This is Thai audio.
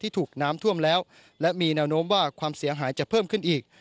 ถูกน้ำท่วมแล้วและมีแนวโน้มว่าความเสียหายจะเพิ่มขึ้นอีก